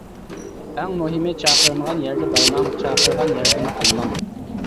ئەڭ مۇھىمى چاقىرمىغان يەرگە بارماڭ، چاقىرغان يەردىن قالماڭ.